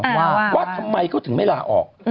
ว่าทำไมเขาถึงไม่ลาออก